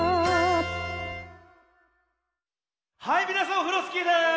はいみなさんオフロスキーです！